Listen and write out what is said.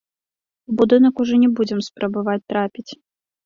У будынак ужо не будзем спрабаваць трапіць.